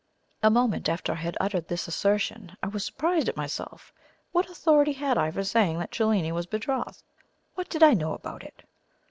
A moment after I had uttered this assertion I was surprised at myself. What authority had I for saying that Cellini was betrothed? What did I know about it?